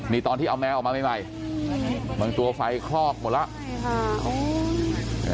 นี่ตอนที่เอาแมวออกมาใหม่บางตัวไฟคลอกหมดแล้วใช่ค่ะ